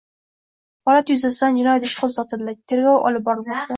Holat yuzasidan jinoyat ishi qo‘zg‘atildi, tergov olib borilmoqda